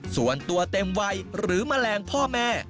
ส่วนตัวเต็มวัยหรือแมลงพ่อแม่